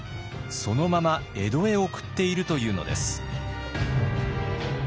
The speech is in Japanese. そのまま江戸へ送っているというのです。